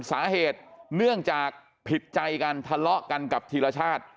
สาเหตุเนื่องจากผิดใจกันทะเลาะกันกับธีรชาติ